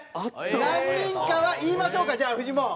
何人かは言いましょうかじゃあフジモン。